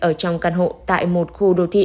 ở trong căn hộ tại một khu đô thị